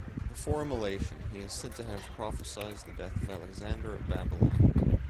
Before immolation, he is said to have prophesied the death of Alexander at Babylon.